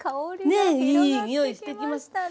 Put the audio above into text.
ねえいい匂いしてきました。